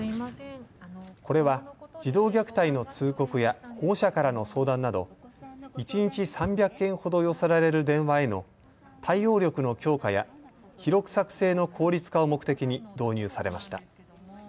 これは児童虐待の通告や保護者からの相談など一日３００件ほど寄せられる電話への対応力の強化や記録作成の効率化を目的に導入されました。